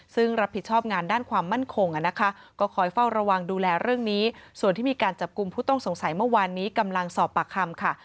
ซึ่งรับผิดชอบงานด้านความมั่นคงนะคะก็คอยเฝ้าระวังดูแลเรื่องนี้ส่วนที่มีการจับกลุ่มผู้ต้องสงสัยเมื่อวานนี้กำลังสอบปากคำค่ะ